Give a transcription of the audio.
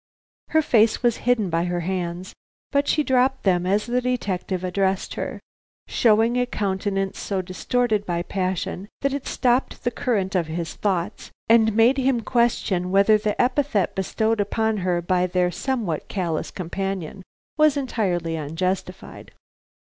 Her face was hidden by her hands, but she dropped them as the detective addressed her, showing a countenance so distorted by passion that it stopped the current of his thoughts, and made him question whether the epithet bestowed upon her by their somewhat callous companion was entirely unjustified.